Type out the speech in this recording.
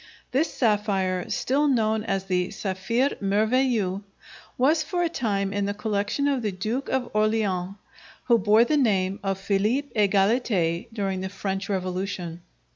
This sapphire, still known as the "Saphire Merveilleux," was for a time in the collection of the Duke of Orleans, who bore the name of Philippe Egalité during the French Revolution.